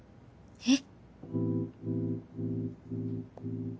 えっ！？